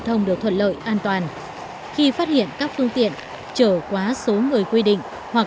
thông được thuận lợi an toàn khi phát hiện các phương tiện trở quá số người quy định hoặc